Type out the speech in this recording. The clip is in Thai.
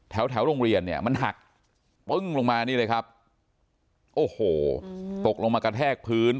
แถวแถวโรงเรียนเนี่ยมันหักปึ้งลงมานี่เลยครับโอ้โหตกลงมากระแทกพื้น